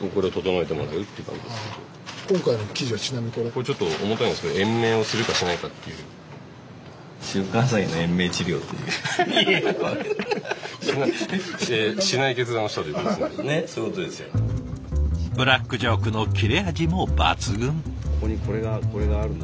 これちょっと重たいんですけどブラックジョークの切れ味も抜群。